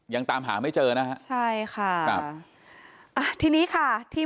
แต่เขาก็มีเพื่อนที่รักเขาอยู่